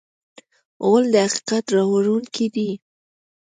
غول د حقیقت راوړونکی دی.